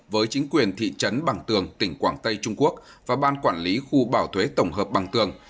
với chính quyền thị trấn bằng tường tỉnh quảng tây trung quốc và ban quản lý khu bảo thuế tổng hợp bằng tường